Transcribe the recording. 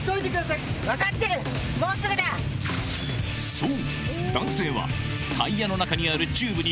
そう！